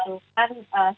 ada juga tetangganya tetangga